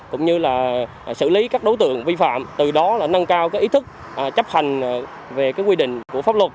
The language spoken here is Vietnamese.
cũng như là xử lý các đối tượng vi phạm từ đó là nâng cao ý thức chấp hành về quy định của pháp luật